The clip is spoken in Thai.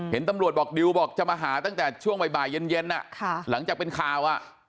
เห็นตำรวจบอกดิวบอกจะมาหาตั้งแต่ช่วงบ่ายเย็นหลังจากเป็นข่าว